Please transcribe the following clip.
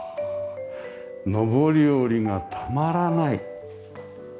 上り下りがたまらない。